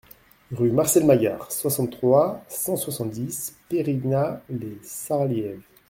Rue Marcel Magard, soixante-trois, cent soixante-dix Pérignat-lès-Sarliève